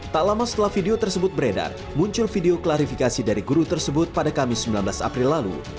tak lama setelah video tersebut beredar muncul video klarifikasi dari guru tersebut pada kamis sembilan belas april lalu